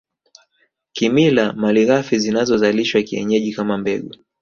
Kimila malighafi zinazozalishwa kienyeji kama mbegu